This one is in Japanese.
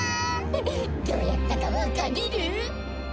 どうやったかわかりる？